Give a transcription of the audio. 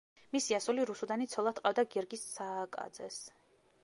მისი ასული რუსუდანი ცოლად ჰყავდა გიორგი სააკაძეს.